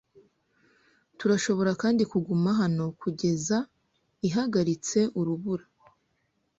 Turashobora kandi kuguma hano kugeza ihagaritse urubura.